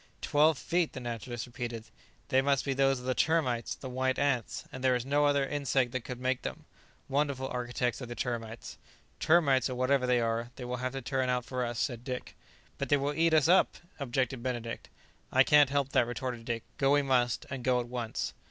"Twelve feet!" the naturalist repeated; "they must be those of the termites, the white ants; there is no other insect that could make them. Wonderful architects are the termites." "Termites, or whatever they are, they will have to turn out for us," said Dick. "But they will eat us up!" objected Benedict. "I can't help that," retorted Dick; "go we must, and go at once."